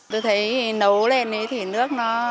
tôi thấy nấu lên thì nước nó